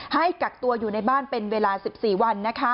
ให้กักตัวอยู่ในบ้านเป็นเวลา๑๔วัน